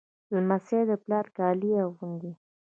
لمسی د پلار کالي اغوندي.